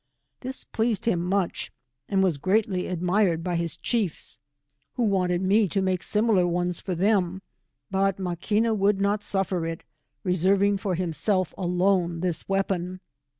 This pleased him much, and was greatly admired by his chiefs, who wanted me to make similar ones U8 for.them, hut Maquina would not suffer it, reserr iag for himself alone tins weapon.